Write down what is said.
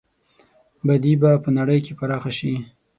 بدي به په نړۍ کې پراخه شي.